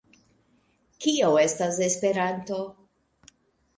Kio estas Esperanto?